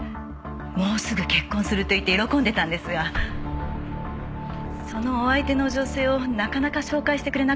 もうすぐ結婚すると言って喜んでたんですがそのお相手の女性をなかなか紹介してくれなかったんです。